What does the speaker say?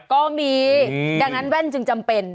ก็มีดังนั้นแว่นจึงจำเป็น